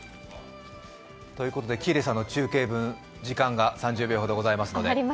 喜入さんの中継分、時間が３０秒ほどございますので。